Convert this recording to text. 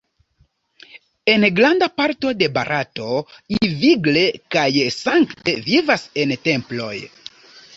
En granda parto de Barato ili vigle kaj sankte vivas en temploj.